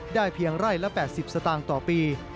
เพียงไร่ละ๘๐สตางค์ต่อปี